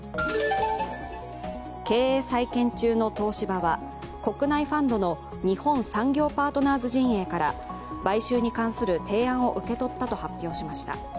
経営再建中の東芝は国内ファンドの日本産業パートナーズ陣営から買収に関する提案を受け取ったと発表しました。